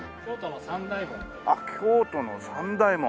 あっ京都の三大門。